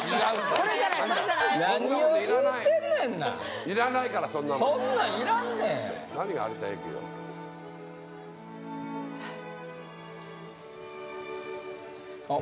それじゃないそれじゃない何を言うてんねんないらないからそんなのそんなんいらんねん何が有田焼よあっ